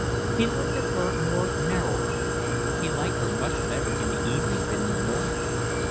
He looked at her more narrowly. He liked her much better in the evening than in the morning.